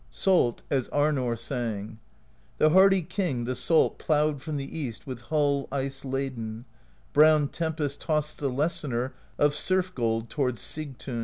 Salt, as Arnorr sang: The hardy King the Salt plowed From the east with hull ice laden: Brown tempests tossed the Lessener Of Surf Gold toward Sigtiin.